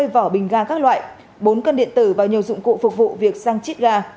một trăm năm mươi vỏ bình ga các loại bốn cân điện tử và nhiều dụng cụ phục vụ việc sang chiếc ga